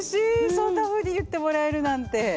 そんなふうに言ってもらえるなんて。